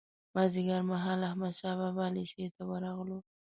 مازیګر مهال احمدشاه بابا لېسې ته ورغلو.